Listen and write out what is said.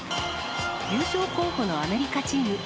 優勝候補のアメリカチーム。